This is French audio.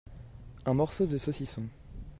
Un morceau de saucisson.